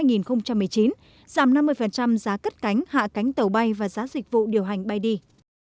giảm năm mươi giá cất cánh hạ cánh tàu bay và giá dịch vụ điều hành bay đi